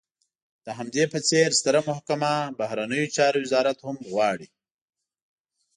د همدې په څېر ستره محکمه، بهرنیو چارو وزارت هم غواړي.